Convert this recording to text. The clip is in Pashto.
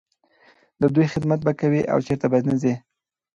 د دوی خدمت به کوې او چرته به نه ځې.